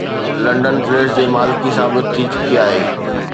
London flats جي مالڪي ثابت ٿي چڪي آهي.